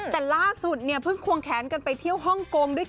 แต่ล่าสุดเนี่ยเพิ่งควงแขนกันไปเที่ยวฮ่องกงด้วยกัน